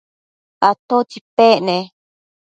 ¿atótsi pec ne?